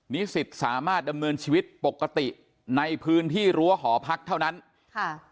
นิสิตสามารถดำเนินชีวิตปกติในพื้นที่รั้วหอพักเท่านั้นค่ะ